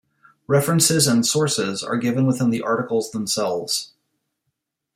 References and sources are given within the articles themselves.